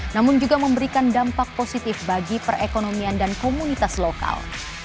namun juga memberikan dampak positif bagi perekonomian dan komunitas lokal